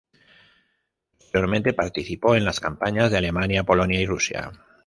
Posteriormente participó en las campañas de Alemania, Polonia y Rusia.